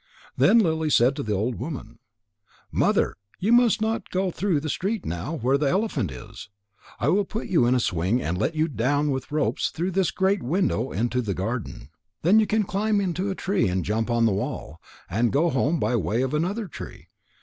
Then Lily said to the old woman: "Mother, you must not go through the street now where the elephant is. I will put you in a swing and let you down with ropes through this great window into the garden. Then you can climb into a tree and jump on the wall, and go home by way of another tree."